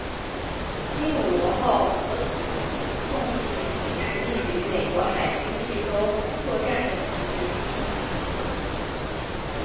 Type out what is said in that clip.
鹦鹉螺号核子动力潜艇是隶属于美国海军的一艘作战用潜水艇。